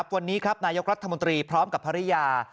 วันนี้ครับนายกรัฐมนตรีพร้อมกับภรรยา